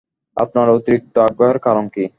আপনার অতিরিক্ত আগ্রহের কারণ কী?